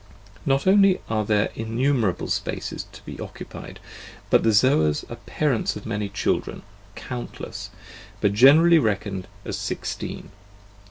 Not only are there innumerable Spaces to be occupied, but the Zoas are parents of many children, countless, but generally reckoned as sixteen.